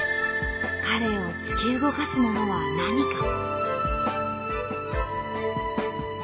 彼を突き動かすものは何か？